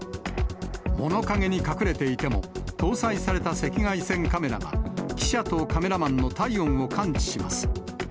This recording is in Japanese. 物陰に隠れていても、搭載された赤外線カメラが、記者とカメラマンの体温を感知します。